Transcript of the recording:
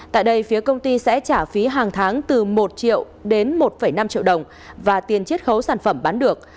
tại đây phía công ty sẽ trả phí hàng tháng từ một triệu đến một năm triệu đồng và tiền chiết khấu sản phẩm bán được